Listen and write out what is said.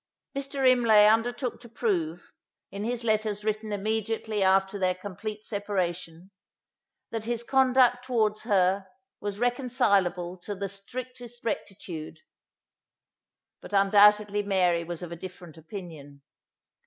Mr. Imlay undertook to prove, in his letters written immediately after their complete separation, that his conduct towards her was reconcilable to the strictest rectitude; but undoubtedly Mary was of a different opinion.